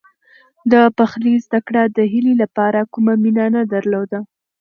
د پخلي زده کړه د هیلې لپاره کومه مینه نه درلوده.